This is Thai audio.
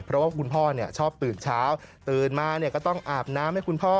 เพราะว่าคุณพ่อชอบตื่นเช้าตื่นมาก็ต้องอาบน้ำให้คุณพ่อ